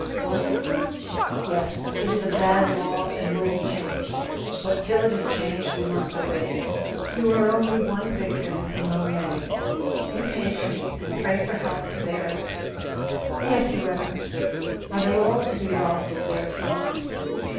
"Were we, sir?" "Yes. It is a bad law, and will be changed; but till it is changed we must obey it. You are only one victim among many. Be patient, and pray for help to bear it." "Yes, your reverence. Are they all to be robbed of their tools?"